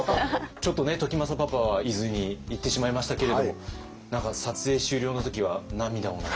ちょっとね時政パパは伊豆に行ってしまいましたけれども何か撮影終了の時は涙を流されたと。